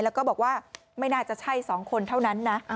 แล้วก็บอกว่าไม่น่าจะใช่๒คนเท่านั้นนะ